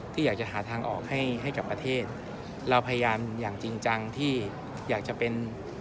ที่อยากจะหาทางออกให้ให้กับประเทศเราพยายามอย่างจริงจังที่อยากจะเป็น